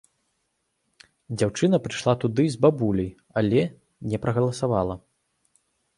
Дзяўчына прыйшла туды з бабуляй, але не прагаласавала.